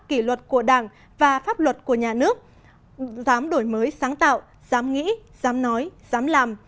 kỷ luật của đảng và pháp luật của nhà nước dám đổi mới sáng tạo dám nghĩ dám nói dám làm